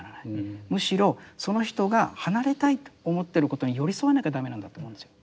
むしろその人が離れたいと思ってることに寄り添わなきゃ駄目なんだと思うんですよ。